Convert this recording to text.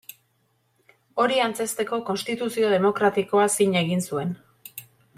Hori antzezteko, konstituzio demokratikoa zin egin zuen.